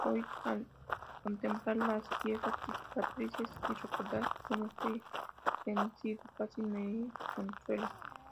hoy, al contemplar las viejas cicatrices y recordar cómo fuí vencido, casi me consuelo.